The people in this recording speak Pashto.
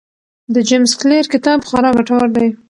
د جیمز کلیر کتاب خورا ګټور دی.